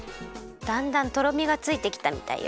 だんだんとろみがついてきたみたいよ。